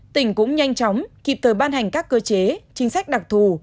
tỉnh cũng nhanh chóng kịp thời ban hành các cơ chế chính sách đặc thù